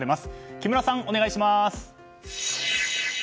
木村さん、お願いします。